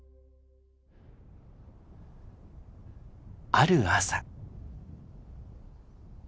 ある朝。